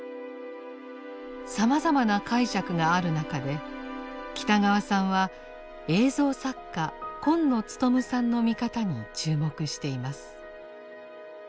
さまざまな解釈がある中で北川さんは映像作家今野勉さんの見方に注目しています。